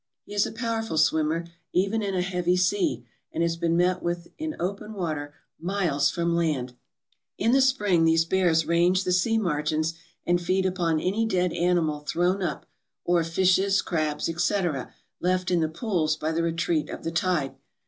He is a powerful swimmer, even in a heavy sea, and has been met with in open water miles from land. In the spring these bears range the sea rnargins and feed upon any dead animal thrown up, or fishes, crabs, etc., left in the pools by the retreat of the tide.